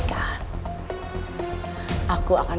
apa harus dukung